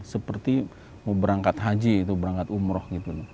seperti mau berangkat haji berangkat umroh